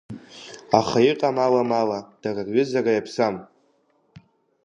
Аха иҟам аламала, дара рҩызара иаԥсам.